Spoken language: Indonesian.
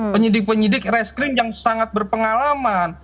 penyidik penyidik reskrim yang sangat berpengalaman